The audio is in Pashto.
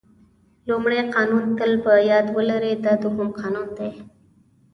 لومړی قانون تل په یاد ولرئ دا دوهم قانون دی.